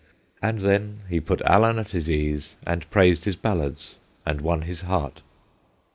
; And then he put Allan at his ease and praised his ballads and won his heart.